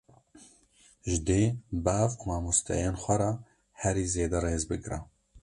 Ji dê, bav û mamosteyên xwe re herî zêde rêz bigre